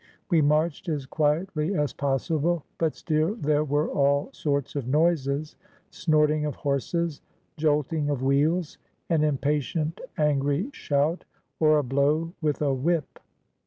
We marched as quietly as possible, but still there were all sorts of noises: snorting of horses, jolting of wheels, an impatient, angry shout, or a blow with a whip.